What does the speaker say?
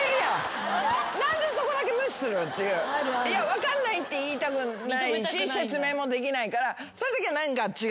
分かんないって言いたくないし説明もできないからそういうときは何か違う。